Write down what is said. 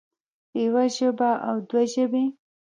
يوه ژبه او دوه ژبې